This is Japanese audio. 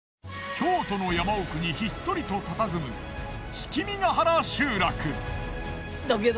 京都の山奥にひっそりとたたずむ樒原集落。